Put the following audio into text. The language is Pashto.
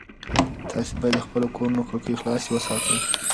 تاسي باید د خپلو کورونو کړکۍ خلاصې وساتئ.